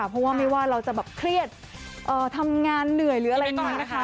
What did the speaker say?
เพราะว่าไม่ว่าเราจะแบบเครียดทำงานเหนื่อยหรืออะไรอย่างนี้นะคะ